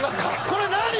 これ何？